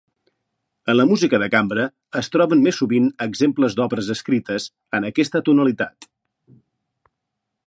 En la música de cambra, es troben més sovint exemples d'obres escrites en aquesta tonalitat.